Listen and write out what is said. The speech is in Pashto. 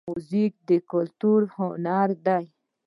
موزیک د کلتور هنداره ده.